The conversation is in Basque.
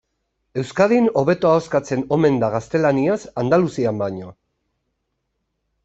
Euskadin hobeto ahoskatzen omen da gaztelaniaz Andaluzian baino.